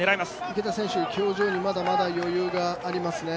池田選手、表情にまだまだ余裕がありますね。